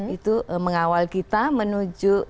itu mengawal kita menuju